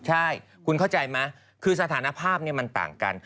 ใช่คุณเข้าใจมั้ยคือสถานะภาพเนี่ยมันต่างกัน